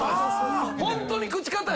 ホントに口堅い。